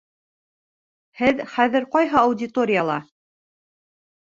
Һеҙ хәҙер ҡайһы аудиторияла?